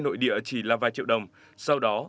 nội địa chỉ là vài triệu đồng sau đó